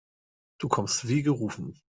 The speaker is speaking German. Du kommst wie gerufen.